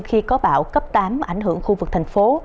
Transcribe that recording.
khi có bão cấp tám ảnh hưởng khu vực thành phố